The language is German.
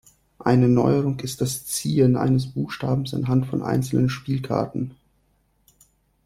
Eine Neuerung ist das „Ziehen“ eines Buchstabens anhand von einzelnen Spielkarten.